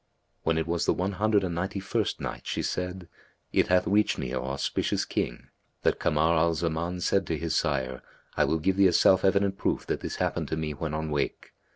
When it was the One Hundred and Ninety first Night, She said, It hath reached me, O auspicious King, that Kamar al Zamar said to his sire, "I will give thee a self evident proof that this happened to me when on wake.